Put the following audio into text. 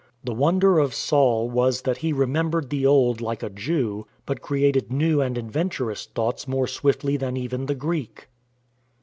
The wonder of Saul was that he remembered the old like a Jew, but created new and adventurous thoughts more swiftly than even the Greek.